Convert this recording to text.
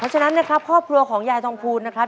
ฉะนั้นนะครับครอบครัวของยายทองภูลนะครับ